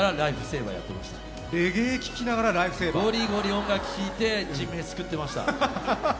音楽聴いて人命救ってました。